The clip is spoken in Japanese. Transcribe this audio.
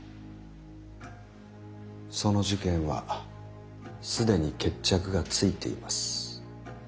その事件は既に決着がついています。